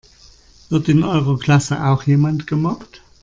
Wird in eurer Klasse auch jemand gemobbt?